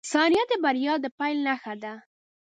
• ثانیه د بریا د پیل نښه ده.